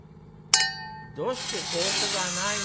「どうして香香がないの？」。